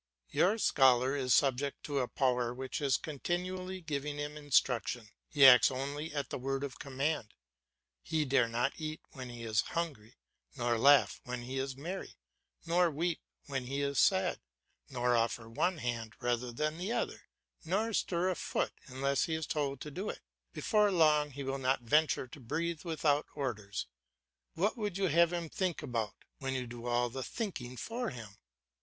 Your scholar is subject to a power which is continually giving him instruction; he acts only at the word of command; he dare not eat when he is hungry, nor laugh when he is merry, nor weep when he is sad, nor offer one hand rather than the other, nor stir a foot unless he is told to do it; before long he will not venture to breathe without orders. What would you have him think about, when you do all the thinking for him?